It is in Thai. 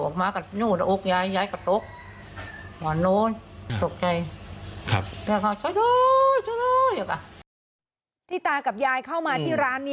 เขาก็เลยโทรบอกตายายที่อยู่ที่ร้าน